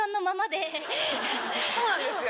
そうなんですよ。